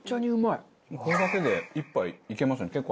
これだけで１杯いけますね。